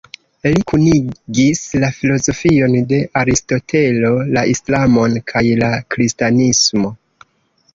Li kunigis la filozofion de Aristotelo, la Islamon kaj la Kristanismo.